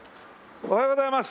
おはようございます。